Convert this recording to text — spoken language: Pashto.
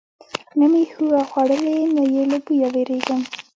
نه مې هوږه خوړلې، نه یې له بویه ویریږم.